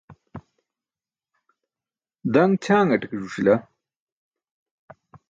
Daṅ ćʰangate ke ẓuc̣ila.